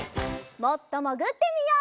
もっともぐってみよう。